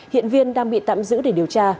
hiện viên đang bị tạm giữ để điều tra